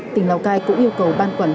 tỉnh lào cai cũng yêu cầu ban quản lý